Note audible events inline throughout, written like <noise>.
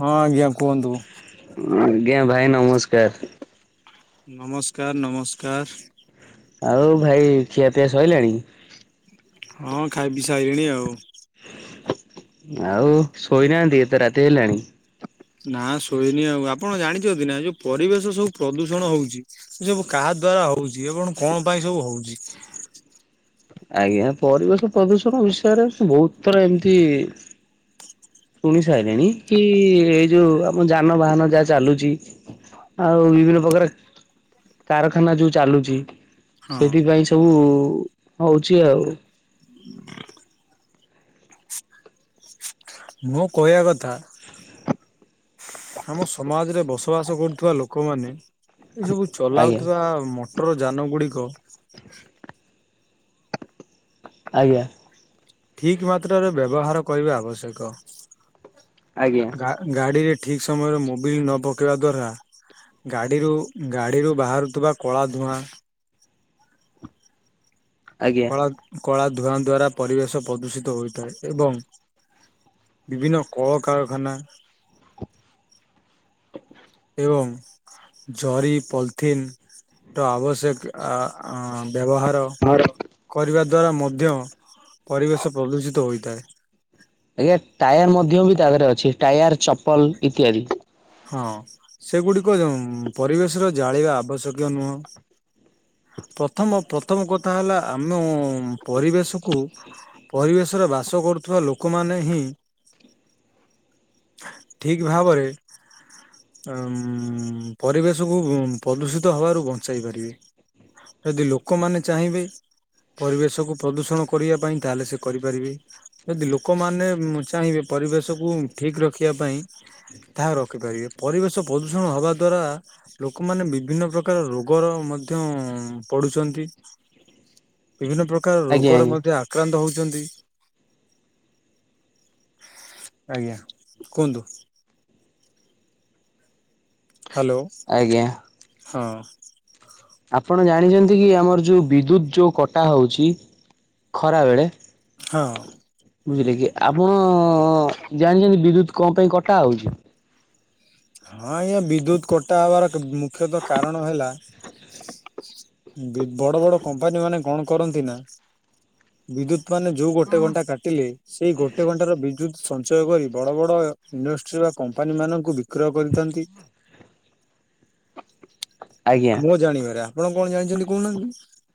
ହଁ ଆଜ୍ଞା କୁହନ୍ତୁ। ଆଜ୍ଞା ଭାଇ ନମସ୍କାର। ନମସ୍କାର ନମସ୍କାର। ଆଉ ଭାଇ ଖିଆ ପିଆ ସଇଲାଣି। ହଁ ଖାଇ ପିଇ ସାଇଲିନି ଆଉ। ଆଉ ଶୋଇନାହାନ୍ତି ଏତେ ରାତି ହେଲାଣି? ନା ଶୋଇନି ଆଉ ଆପ ଆପଣ ଜାଣିଛନ୍ତି ନା ଯୋଉ ପରିବେଶ ସବୁ ପ୍ରଦୂଷଣ ହଉଛି ସେ ସବୁ କାହାଦ୍ୱାରା ହେଉଛି ଏବଂ କଣ ପାଇଁ ଯଉ ହଉଛି। ଆଜ୍ଞା ପରିବେଶ ପ୍ରଦୂଷଣ ବିଷୟରେ ବହୁତ ଥର ଏମତି ଶୁଣି ସାଇଲେଣି କି ଏଇ ଯୋଉ ଆମ ଯାନବାହାନ ଯାହା ଚାଲୁଛି। ଆଉ ବିଭିନ୍ନ ପ୍ରକାର କାରଖାନା ଯୋଉ ଚାଲୁଛି। ହଁ ସେଥିପାଇଁ ସବୁ ହଉଚି ଆଉ। ମୋ କଇଆ କଥା। ଆମ ସମାଜରେ ବସବାସ କରୁଥିବା ଲୋକମାନେ ଏସବୁ ଆଜ୍ଞା ଚଲାଉଥିବା ମ ଟ୍ର ଯାନ ଗୁଡ଼ିକ ଆଜ୍ଞା। ଠିକ୍ ମାତ୍ରାରେ ବ୍ୟବହାର କରିବା ଆବଶ୍ୟକ, ଆଜ୍ଞା ଗା ଗାଡିରେ ଠିକ୍ ସମୟରେ ମୋବିଲ୍ ନ ପକେଇବା ଦ୍ଵାରା ଗାଡିରୁ ଗାଡିରୁ ବାହାରୁଥିବା କଳା ଧୂଆଁ ଆଜ୍ଞା। କଳା କଳା ଧୂଆଁ ଦ୍ଵାରା ପରିବେଶ ପ୍ରଦୂଷିତ ହୋଇଥାଏ ଏବଂ ବିଭିନ୍ନ କଳକାରଖାନା <inaudible> ବଂ ଜରି ପଲଥିନ୍ ଟ ଆବଶ୍ୟକ ଅ ବ୍ୟବହାର କରିବା। ଦ୍ୱାରା ମଧ୍ୟ ପରିବେଶ ପ୍ରଦୂଷିତ ହୋଇଥାଏ। ଆଜ୍ଞା ଟାୟାର ମଧ୍ୟ ବି ତା ଧେରେ ଅଛି ଟାୟାର ଚପଲ ଇତ୍ୟାଦି। ହଁ ସେଗୁଡିକ ପରିବେଶର ଜାଳିବା ଆବଶ୍ୟକୀୟ ନୁହଁ <inaudible> ପ୍ରଥମ ପ୍ରଥମ କଥା ହେଲା ଆମ ପରିବେଶକୁ ପରିବେଶରେ ବାସ କ କରୁଥିବା ଲୋକମାନେ ହିଁ <inaudible> ଠିକ୍ ଭାବରେ <inaudible> ଆମ୍ ପରିବେଶକୁୁ ପ୍ରଦୂଷିତ ହବାରୁ ବଞ୍ଚାଇ ପାରିବେ ଯଦି ଲୋକମାନେ ଚାହିଁବେ। ପରିବେଶକୁୁ ପ୍ରଦୂଷଣ କରିବା ପାଇଁ ତାହେଲେ ସେ କରିପାରିବେ, ଯଦି ଲୋକମାନେ ଚାହିଁବେ ପରିବେଶକୁ ଠିକ ରଖିବା ପାଇଁ ତାହା ରଖିପାରିବେ ପରିବେଶ ପ୍ରଦୂଷଣ ହବା ଦ୍ୱାରା ଲୋକମାନେ ବିଭିନ୍ନ ପ୍ରକାର ରୋଗର ମଧ୍ୟ ଉଁ ପଢୁଛନ୍ତି। <inaudible> ବିଭିନ୍ନ ପ୍ରକାର ଆଜ୍ଞା ରୋଗର ଆଜ୍ଞା ମଧ୍ୟ ଆକ୍ରାନ୍ତ ହଉ ଚନ୍ତି, ଆଜ୍ଞା କୁହନ୍ତୁ? ହାଲୋ, ଆଜ୍ଞା। ହଁ ଆପଣ ଜାଣିଛନ୍ତି କି -ଆମର ଯୋଉ ବିଦ୍ୟୁତ ଯୋଉ କଟା ହଉଚି ଖରା ବେଳେ ହଁ ବୁଝିଲେ କି ଆପଣ ଜାଣିଚନ୍ତି ବିଦ୍ୟୁତ କଣ ପାଇଁ କଟା ହଉଚି? ହଁ ଆଜ୍ଞା, ବିଦ୍ୟୁତ କଟା ହବାର ମୁଖ୍ୟତଃ କାରଣ ହେଲା ବି ବଡ ବଡ କମ୍ପାନୀ ମାନେ କଣ କରନ୍ତି ନା ବିଦ୍ୟୁତ ମାନେ, ଯୋଉ ଗୋଟେ ଘଣ୍ଟା କାଟିଲେ ସେଇ ଗୋଟେ ଘଣ୍ଟାର ବିଦ୍ୟୁତ ସଞ୍ଚୟ କରି ବଡ ବଡ ଇଣ୍ଡଷ୍ଟ୍ରି ବା କମ୍ପାନୀ ମାନଙ୍କୁ ବିକ୍ରୟ କରିଥାନ୍ତି। ଆଜ୍ଞା ମୁଁ ଜାଣିବାର, ଆପଣ କଣ ଜାଣିଛନ୍ତି କହୁନାହାନ୍ତି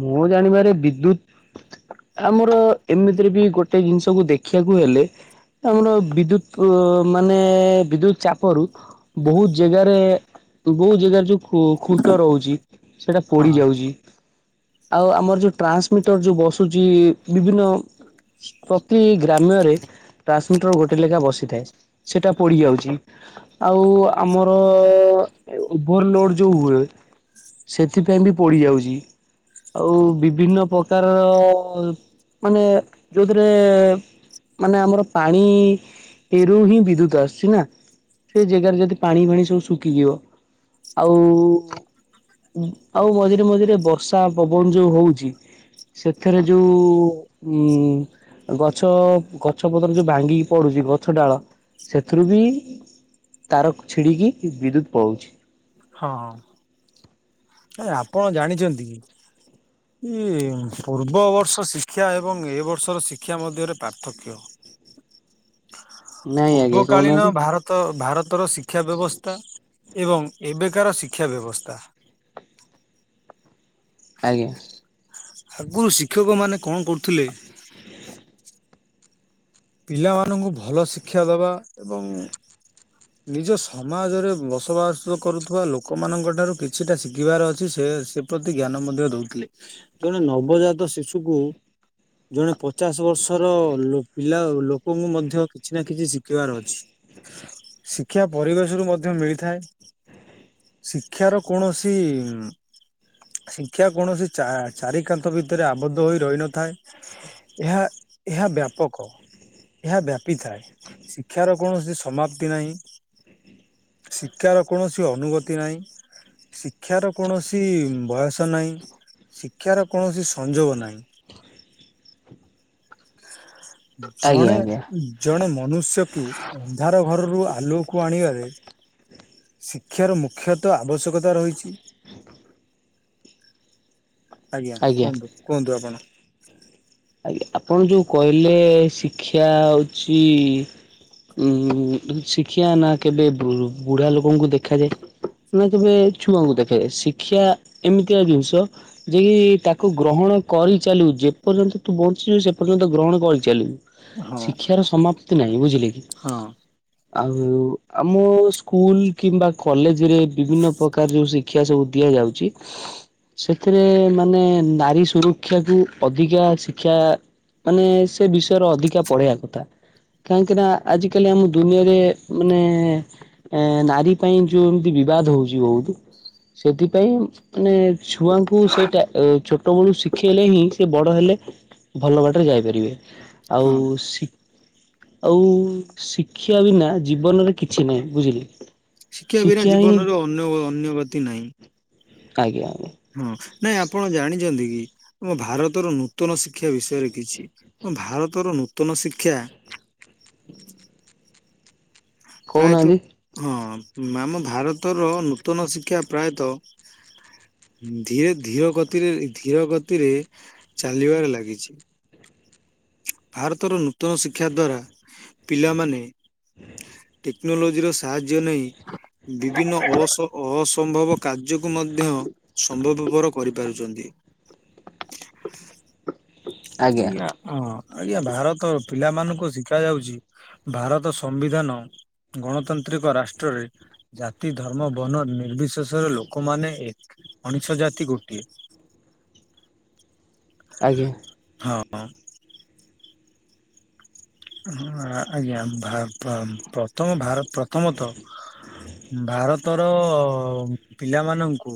ମୁଁ ଜାଣିବାରେ ବିଦ୍ୟୁତ ଆମର ଏମିତିରେ ବି ଗୋଟେ ଜିନିଷକୁ ଦେଖିଆକୁ ହେଲେ ଆମର ବିଦ୍ୟୁତ ମାନେ, ବିଦ୍ୟୁତ ଚାପରୁ ବହୁତ ଜାଗାରେ ବହୁ ଜାଗାରେ ଯୋଉ ଖୁ ଖୁଣ୍ଟ ରହୁଛି ସେଟା ହଁ ପଡି ଯାଉଛି। ଆଉ ଆମର ଯୋଉ ଟ୍ରାନ୍ସମିଟର ଯୋଉ ବସୁଛି! ବିଭିନ୍ନ ପ୍ରତି ଗ୍ରାମ୍ୟରେ ଟ୍ରାନ୍ସମିଟର ଗୋଟେ ଲେଖା ବସିଥାଏ। ସେଟା ପୋଡି ଯାଉଛି। ଆଉ ଆମର ଓଭରଲୋଡ ଯୋଉ ହୁଏ। ସେଥିପାଇଁ ବି ପୋଡ଼ିଯାଉଛି। ଆଉ ବିଭିନ୍ନ ପ୍ରକାରର ମାନେ ଯୋଉଥିରେ ମାନେ ଆମର ପାଣି ଏରୁ ହିଁ ବିଦ୍ୟୁତ ଆସୁଛି ନା। ସେ ଜାଗାରେ ଯଦି ପାଣି ଫାଣି ସବୁ ଶୁଖିଯିବ। ଆଉ ଉ ଆଉ ମଝିରେ ମଝିରେ ବର୍ଷା ପବନ ଯୋଉ ହଉଛି। ସେଥିରେ ଯୋଉ ଉ ଗଛ ଗଛ ପତ୍ର ଯୋଉ ଭାଙ୍ଗିକି ପଡୁଛି, ଗଛ ଡାଳ ସେଥିରୁ ବି ତାର ଛିଡିକି ବିଦ୍ୟୁତ ପଳାଉଛି। ହଁ ଆପଣ ଜାଣିଛନ୍ତି କି। ଇଏ ପୂର୍ବ ବର୍ଷ ଶିକ୍ଷା ଏବଂ ଏ ବର୍ଷର ଶିକ୍ଷା ମଧ୍ୟରେ ପାର୍ଥକ୍ୟ। <inaudible> ନାଇଁ ଆଜ୍ଞା ପୂର୍ବକାଳୀନ କହୁନାହାନ୍ତି ଭାରତ ଭାର ତର ଶିକ୍ଷା ବ୍ୟବସ୍ଥା ଏବଂ ଏବେକାର ଶିକ୍ଷା ବ୍ୟବସ୍ଥା। ଆଜ୍ଞା। ଆଗରୁ ଶିକ୍ଷକ ମାନେ କଣ କରୁଥିଲେ। ପିଲାମାନଙ୍କୁ ଭଲ ଶିକ୍ଷା ଦେବା! ଏବଂ ନିଜ ସମାଜରେ ବସବାସ କରୁଥିବା ଲୋକମାନଙ୍କ ଠାରୁ କିଛିଟା ଶିଖିବାର ଅଛି, ସେ ସେ ପ୍ରତି ଜ୍ଞାନ ମଧ୍ୟ ଦଉଥିଲେ! ଜଣେ ନବଜାତ ଶିଶୁକୁ ଜଣେ ପଚାଶ ବର୍ଷର, ଲୋ ପିଲା ଲୋକଙ୍କୁ ମଧ୍ୟ କିଛି ନା କିଛି ଶିଖିବାର ଅଛି। ଶିକ୍ଷା ପରିବେଶରୁ ମଧ୍ୟ ମିଳିଥାଏ। ଶିକ୍ଷାର କୌଣସି ଶିକ୍ଷା କୌଣସି ଚା ଚାରି କାନ୍ଥ ଭିତରେ ଆବଦ୍ଧ ହୋଇ ରହିନଥାଏ! ଏହା ଏହା ବ୍ୟାପକ କ ଏହା ବ୍ୟାପିଥାଏ ଶିକ୍ଷାର କୌଣସି ସମାପ୍ତି ନାହିଁ। ଶିକ୍ଷାର କୌଣସି ଅନୁଭୂତି ନାହିଁ। ଶିକ୍ଷାର କୌଣସି ବୟସ ନାହିଁ। ଶିକ୍ଷାର କୌଣସି ସଂଯୋଗ ନାହିଁ। <inaudible> ଜଣେ ଆଜ୍ଞା ଜଣେ ମନୁଷ୍ୟକୁ ଅନ୍ଧାର ରରୁ ଆଲୁଅକୁ ଆଣିବାରେ ଶିକ୍ଷାର ମୁଖ୍ୟତଃ ଆବଶ୍ୟକତା ରହିଛି। <inaudible> ଆଜ୍ଞା କୁହନ୍ତୁ କୁହନ୍ତୁ ଆପଣ। ଆଜ୍ଞା ଆପଣ ଯୋଉ କହିଲେ ଶିକ୍ଷା ହଉଛି। ଉ ଶିଖିବା ନା କେବେ ବୁ ବୁଢା ଲୋକଙ୍କୁ ଦେଖାଯାଏ। ନା କେବେ ଛୁଆଙ୍କୁ ଦେଖେ, ଶିକ୍ଷା ଏମିତିଆ ଜିନିଷ ଯେକି ତାକୁ ଗ୍ରହଣ କରିଚାଲିବୁ ଯେପର୍ଯ୍ୟନ୍ତ ତୁ ବଞ୍ଚିଛୁ, ସେ ପର୍ଯ୍ୟନ୍ତ ଗ୍ରହଣ କରିଚାଲିବୁ। ହଁ ଶିକ୍ଷାର ସମାପ୍ତି ନାହିଁ ବୁଝିଲେ କି। ହଁ ଆଉ ଆମ ସ୍କୁଲ କିମ୍ବା କଲେଜ ରେ ବିଭିନ୍ନ ପ୍ରକାର ଯୋଉ ଶିକ୍ଷା କ୍ଷା ସବୁ ଦିଆଯାଉଛି। ସେଥିରେ ମାନେ ନାରୀ ସୁରକ୍ଷା କୁ ଅଧିକା ଶିକ ଶିକ୍ଷା ମାନେ ସେ ବିଷୟରେ ଅଧିକା ପଢେଇବା କଥା। କାହିଁକି ନା ଆଜି ଆଜି କାଲି ଆମ ଦୁନିଆରେ ମାନେ ଏ ନାରୀ ପାଇଁ ଯୋଉ ଏମତି ବିବାଦ ହଉଛି ବହୁତ। ସେଥିପାଇଁ, ମାନେ ଛୁଆଙ୍କୁ ସେଟା ଛୋଟ ଅ ବେଳୁ ଶିଖେଇଲେ ହିଁ ସେ ବଡ ହେଲେ ଭଲ ବାଟରେ ଯାଇପାରିବେ। ଆଉ ହଁ ଶି ଆଉ ଶିକ୍ଷା ବିନା ଜୀବନରେ କିଛି ନାହିଁ ବୁଝିଲେ। ଶିକ୍ଷା ବିନା ଜୀବନର ଅନ୍ୟ- ଅନ୍ୟଗତି ନାହିଁ। ଆଜ୍ଞା। ଆଜ୍ଞା ହଁ ନାଇଁ ଆପଣ ଜାଣି ଚନ୍ତି କି ଆମ ଭାରତର ନୂତନ ଶିକ୍ଷା ବିଷୟରେ କିଛି ଆମ ଭାରତର ନୂତନ ଶିକ୍ଷା <inaudible> ପ୍ରାୟତଃ କହୁନାହାନ୍ତି ହଁ ଆମ ଭାରତର ନୂତନ ଶିକ୍ଷା ପ୍ରାୟତଃ। ଧୀରେ ଧୀର ଗତିରେ ଧୀର ଗତିରେ ଚାଲିବାରେ ଲାଗିଛି। ଭାରତର ନୂତନ ଶିକ୍ଷା ଦ୍ୱାରା ପିଲାମାନେ ଟେକ୍ନୋଲୋଜିର ସାହାଯ୍ୟ ନେଇ ବିଭିନ୍ନ ଅସ ଅସମ୍ଭବ କାର୍ଯ୍ୟକୁ ମଧ୍ୟ ସମ୍ଭବପର କରିପାରୁଛନ୍ତି। ଆଜ୍ଞା ଅଂ। ଆଜ୍ଞା ଭାରତ ପିଲାମାନଙ୍କୁ ଶିକ୍ଷା ଯାଉଛି ଭାରତ ସମ୍ବିଧାନ ଗଣତନ୍ତ୍ର ତ୍ରିକ ରାଷ୍ଟ୍ରରେ ଜାତି ଧର୍ମ ବନ ନିର୍ବିଶେଷରେ ଲୋକମାନେ ଏକ ମଣିଷ ଜାତି ଜାତି ଗୋଟିଏ। ଆଜ୍ଞା। ହଁ ଅ। ହଁ ଆଜ୍ଞା ଭା ଭା ପ୍ରଥମ ଭାରତ ପ୍ରଥମତଃ ଭାରତର ଅ ପିଲାମାନଙ୍କୁ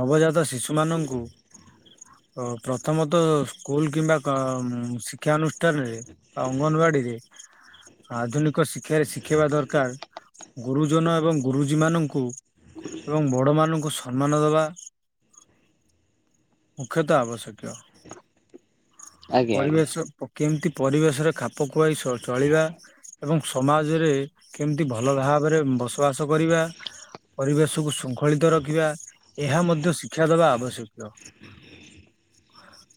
ନବଜାତ ଶିଶୁ ମାନଙ୍କୁ ପ୍ର ପ୍ରଥମତଃ ସ୍କୁଲ କିମ୍ବା ଅ ଶିକ୍ଷା ଅନୁଷ୍ଠାନରେ ଅଙ୍ଗନବାଡ଼ିରେ ଆଧୁନିକ ଶିକ୍ଷାରେ ଶିଖେଇବା ଦରକାର ଗୁରୁଜନ ଏବଂ ଗୁରୁଜୀ ମାନଙ୍କୁ ଏବଂ ବଡମାନଙ୍କୁ ସମ ସମ୍ମାନ ଦେବା ମୁଖ୍ୟତଃ ଆବଶ୍ୟକୀୟ। ଆଜ୍ଞା ଆଜ୍ଞା। ପରିବେଶ କେମିତି ପରିବେଶ ସେଥିରେ ଖାପ ଖୁଆଇ ଚ ଚଳିବା ଏବଂ ସମାଜରେ କେମିତି ଭଲ ଭାବରେ ବସବାସ ଖର୍ଚ୍ଚ କରିବା ପରିବେଶକୁ ଶୃଙ୍ଖଳିତ ରଖିବା ଏହା ମଧ୍ୟ ଶି ଶିକ୍ଷା ଦେବା ଆବଶ୍ୟକ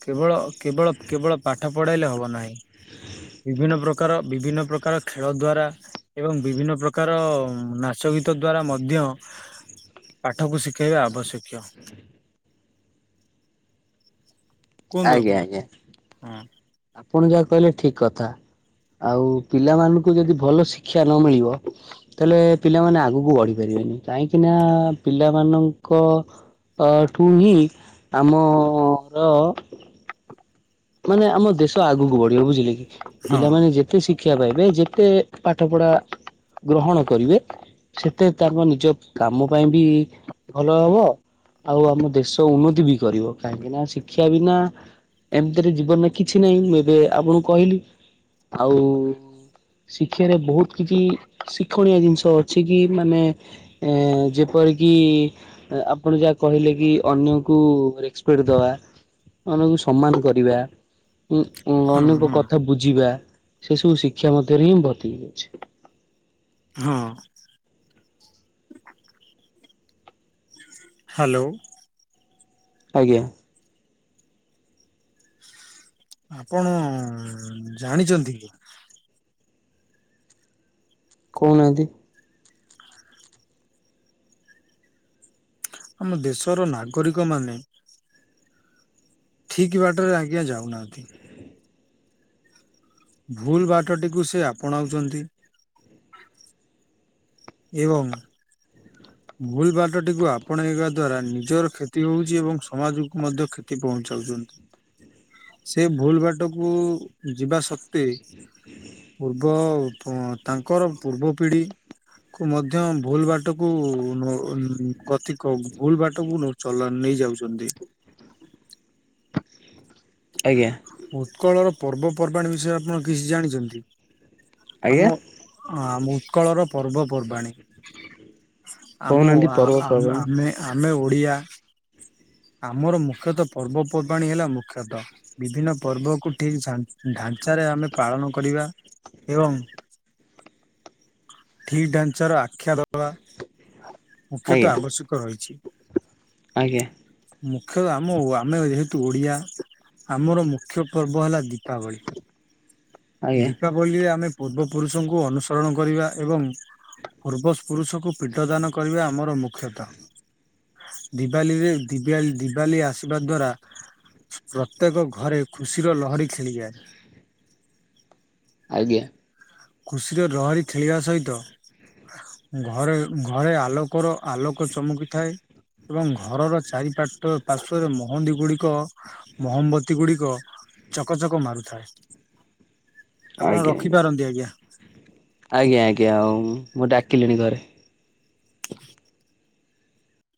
କେବଳ କେବଳ କେବଳ ପାଠ ପଢାଇଲେ ହବ ନାହିଁ। ବିଭିନ୍ନ ପ୍ରକାର ବିଭିନ୍ନ ପ୍ରକାର ଖେଳ ଦ୍ୱାରା ଏବଂ ବିଭିନ୍ନ ପ୍ରକାର ନାଚଗୀତ ଦ୍ଵାରା ମଧ୍ୟ ପାଠକୁ ଶିଖେଇବା ଆବଶ୍ୟକୀୟ। କୁହନ୍ତୁ ଆଜ୍ଞା ଆପଣ? ଆଜ୍ଞା ଆପଣ ଯାହା କହିଲେ ଠିକ କଥା। ଆଉ ପିଲାମାନଙ୍କୁ ଯଦି ଭଲ ଶିକ୍ଷା ନ ମିଳିବ ତାହେଲେ ପିଲାମାନେ ଆଗକୁ ବଢିପାରିବେନି। କାହିଁକି ନା ପିଲାମାନଙ୍କ- ଅଠୁ ହିଁ ଆମର- ମାନେ ଆମ ଦେଶ ଆଗକୁ ବଢିବ। ବୁଝିଲେ କି। ହଁ ପିଲାମାନେ ଯେତେ ଶି- ଶିକ୍ଷା ପାଇବେ। ଯେତେ ପାଠପଢ଼ା- ଗ୍ରହଣ କରିବେ ସେତେ ତାଙ୍କ ନିଜ କାମ ପାଇଁ ବି ଭଲ ହବ। ଆଉ ଆମ ଦେଶ ଉନ୍ନତି ବି କରିବ କାହିଁକି ନା ଶିକ୍ଷା ବିନା ଏମତି- ରେ ଜୀବନରେ କିଛି ନାହିଁ ମୁଁ ଏବେ ଆପଣଙ୍କୁ କହିଲି ଆଉ- ଶିକ୍ଷାରେ ବହୁତ କିଛି ଶିକ୍ଷଣୀୟ ଜିନିଷ ଅଛି କି ମାନେ ଏ ଯେପରି- ଯେପରିକି ଆପଣ ଯାହା କହିଲେ କି ଅନ୍ୟକୁ ରେସପେକ୍ଟ ଦବା। ଅନ୍ୟକୁ ସମ୍ମାନ କରିବା। ଉ ହଁ ଅନେକ ହଁ କଥା ବୁଝିବା। ସେ ସବୁ ଶିକ୍ଷା ମଧ୍ୟରେ ହିଁ ଭର୍ତ୍ତି ହେଇକି ଅଛି। ହଁ। ହ୍ୟାଲୋ। ଆଜ୍ଞା। ଆପଣ ଜାଣିଛନ୍ତି କି? କହୁନାହାନ୍ତି। ଆମ ଦେଶର ନାଗରିକ ମାନେ। ଠିକ ବାଟରେ ଆଜ୍ଞା, ଯାଉନାହାନ୍ତି। ଭୁଲ ବାଟଟିକୁ, ସେ ଆପଣାଉଛନ୍ତି। ଏବଂ ଭୂଲ ବାଟଟିକୁ ଆପଣେଇବା ଦ୍ଵାରା, ନିଜର କ୍ଷତି ହଉଛି। ଏବଂ ସମାଜକୁ ମଧ୍ୟ କ୍ଷତି ପହଚେ। ସେ ଭୁଲ ବାଟ କୁ, ଯିବା ସତ୍ତ୍ୱେ ପୂର୍ବ, ତାଙ୍କର ପୂର୍ବ ପିଢ଼ି। କୁ, ମଧ୍ୟ ଭୁଲ ବାଟ କୁ କତି କ, ଭୁଲ ବାଟକୁ ଚଲା ନେଇ ଯାଉଛନ୍ତି। <inaudible> ଆଜ୍ଞା ଉତ୍କଳ ର ପର୍ବପର୍ବାଣି ବିଷୟରେ, ଆପଣ କିଛି ଜାଣିଛନ୍ତି? ଆଜ୍ଞା। ଆମ, ଆମ ଉତ୍କଳ ର ପର୍ବପର୍ବାଣୀ। ଆମ, କହୁନାହାନ୍ତି ପର୍ବପର୍ବାଣି। ଆମେ ଆମେ ଓଡ଼ିଆ। ଆମର ମୁଖ୍ୟତଃ ପର୍ବପର୍ବାଣି ହେଲା, ମୁଖ୍ୟତଃ। ବିଭିନ୍ନ ପର୍ବକୁ ଠିକ ଢାଞ୍ଚାରେ ଆମେ ପାଳନ କରିବା। ଏବଂ <inaudible> ଠିକ ଢାଞ୍ଚାର ଆଖ୍ୟା ଦେବା। ମୁଖ୍ୟତଃ ଆଜ୍ଞା ଆବଶ୍ୟକ ରହିଛି। ଆଜ୍ଞା ମୁଖ୍ୟତଃ ଆମ, ଆମେ ଯେହେତୁ ଓଡିଆ। ଆମର ମୁଖ୍ୟ ପର୍ବ ହେଲା ଦୀପାବଳି। ଆଜ୍ଞା। ଦୀପାବଳିରେ ଆମେ ପୂର୍ବ ପୁରୁଷଙ୍କୁ ଅନୁସରଣ କରିବା। ଏବଂ ପୂର୍ବ ପୁରୁଷକୁ ପିଣ୍ଡଦାନ କରିବା, ଆମର ମୁଖ୍ୟତଃ। ଦିବାଲି ରେ ଦିବା ଦିିବାଲି ଆସିବା ଦ୍ଵାରା ପ୍ରତ୍ୟେକ ଘରେ, ଖୁସିର ଲହରୀ ଖେଳିଯାଏ। ଆଜ୍ଞା। ଖୁସିର ଲହରୀ ଖେଳିବା ସହିତ ଘରେ ଘରେ ଆଲୋକର, ଆଲୋକ ଚମକିଥାଏ। ଏବଂ ଘରର ଚାରିପାଟ ପାର୍ଶ୍ଵରେ ମହନ୍ଦି ଗୁଡିକ, ମୋହମବତୀ ଗୁଡିକ ଚକ ଚକ ମାରୁଥାଏ। ଆଜ୍ଞା ଆପଣ ଆଜ୍ଞା ରଖିପାରନ୍ତି ଆଜ୍ଞା। ଆଜ୍ଞା, ଆଜ୍ଞା। ଆଉ ମୁଁ ଡାକିଲିଣି ଘରେ।